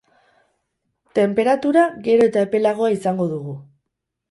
Tenperatura gero eta epelagoa izango dugu.